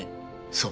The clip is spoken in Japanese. そう。